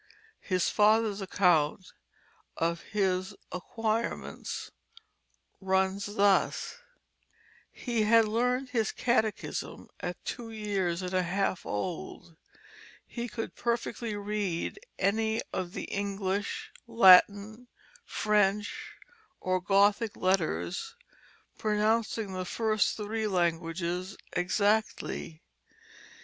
His father's account of his acquirements runs thus: "He had learned all his catechism at two years and a half old; he could perfectly read any of the English, Latin, French, or Gothic letters, pronouncing the first three languages exactly.